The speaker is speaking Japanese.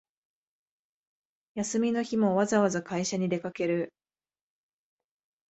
休みの日もわざわざ会社に出かける